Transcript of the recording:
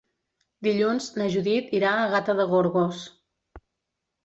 Dilluns na Judit irà a Gata de Gorgos.